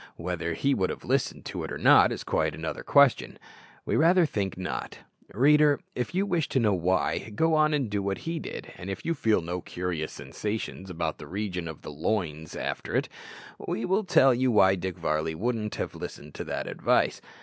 Whether he would have listened to it or not is quite another question; we rather think not. Reader, if you wish to know why, go and do what he did, and if you feel no curious sensations about the region of the loins after it, we will tell you why Dick Varley wouldn't have listened to that advice.